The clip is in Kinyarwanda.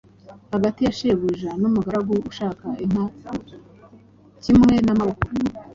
hagati ya shebuja n'umugaragu ushaka inka kimwe n'amaboko